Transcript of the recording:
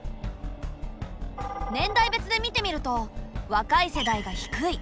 年代別で見てみると若い世代が低い。